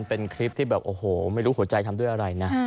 เป็นคลิปที่แบบโอ้โหไม่รู้หัวใจทำด้วยอะไรนะ